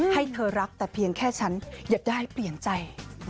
ให้เธอรักแต่เพียงแค่ฉันอยากได้เปลี่ยนใจ